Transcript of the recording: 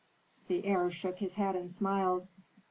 The heir shook his head and smiled.